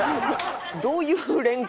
どういう連句？